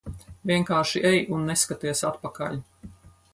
Vienkārši ej un neskaties atpakaļ.